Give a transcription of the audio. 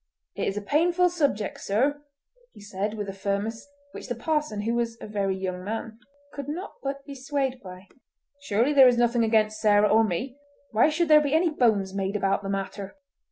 "It is a painful subject, sir," he said with a firmness which the parson, who was a very young man, could not but be swayed by. "Surely there is nothing against Sarah or me. Why should there be any bones made about the matter?"